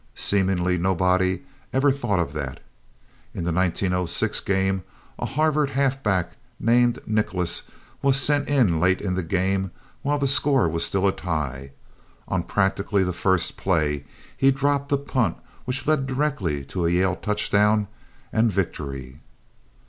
Seemingly nobody ever thought of that. In the 1906 game a Harvard half back named Nichols was sent in late in the game while the score was still a tie. On practically the first play he dropped a punt which led directly to a Yale touchdown and victory.